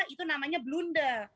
itu namanya blunder